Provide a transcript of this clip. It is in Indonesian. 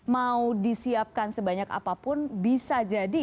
mau disiapkan sebanyak apapun bisa jadi